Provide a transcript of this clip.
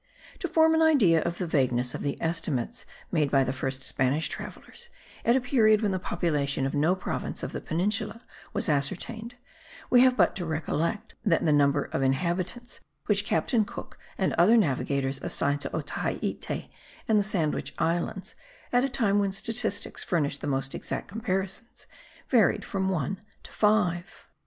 To form an idea of the vagueness of the estimates made by the first Spanish travellers, at a period when the population of no province of the peninsula was ascertained, we have but to recollect that the number of inhabitants which Captain Cook and other navigators assigned to Otaheite and the Sandwich Islands, at a time when statistics furnished the most exact comparisons, varied from one to five.